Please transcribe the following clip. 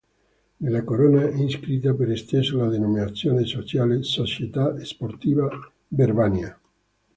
Nella corona è inscritta per esteso la denominazione sociale "Società Sportiva Verbania".